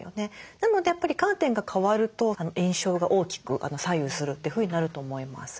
なのでやっぱりカーテンが変わると印象が大きく左右するというふうになると思います。